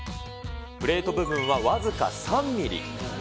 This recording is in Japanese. プレート部分は僅か３ミリ。